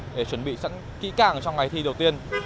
để chuẩn bị sẵn kỹ càng trong ngày thi đầu tiên